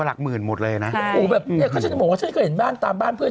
เยอะเลยจริงเยอะ